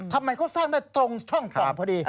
ทำไมเขาสร้างได้ตรงช่องกล่องพอดี